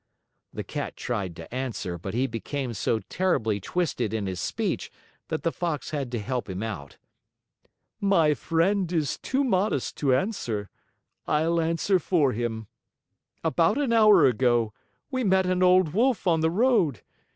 The Cat tried to answer, but he became so terribly twisted in his speech that the Fox had to help him out. "My friend is too modest to answer. I'll answer for him. About an hour ago, we met an old wolf on the road.